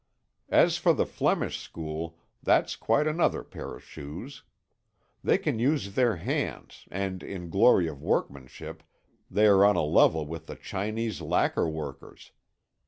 As for the Flemish school, that's quite another pair of shoes. They can use their hands, and in glory of workmanship they are on a level with the Chinese lacquer workers.